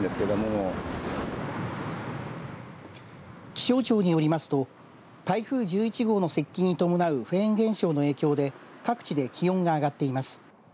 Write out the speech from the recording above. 気象庁によりますと台風１１号の接近に伴うフェーン現象の影響で各地で気温が上がっています。